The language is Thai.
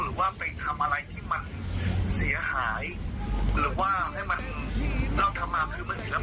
หรือว่าไปทำอะไรที่มันเสียหายหรือว่าให้มันเราทำมาเพื่อไม่ให้แล้ว